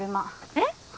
えっ？